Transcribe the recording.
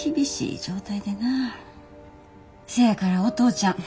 せやからお父ちゃん